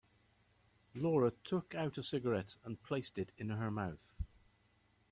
Laura took out a cigarette and placed it in her mouth.